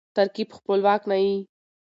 ترکیب خپلواک نه يي.